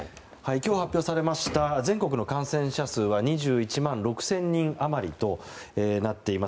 今日発表されました全国の感染者数は２１万６０００人余りとなっています。